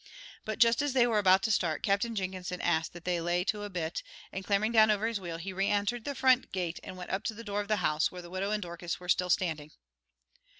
But just as they were about to start, Captain Jenkinson asked that they lay to a bit, and clambering down over his wheel, he reëntered the front gate and went up to the door of the house, where the widow and Dorcas were still standing.